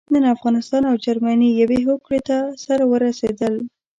نن افغانستان او جرمني يوې هوکړې ته سره ورسېدل.